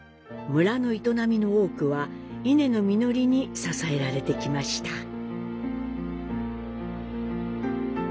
村の営みの多くは稲の実りに支えられてきました。